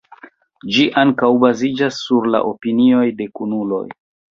Ĝi ankaŭ baziĝas sur la opinioj de la kunuloj.